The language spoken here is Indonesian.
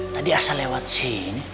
tadi asa lewat sini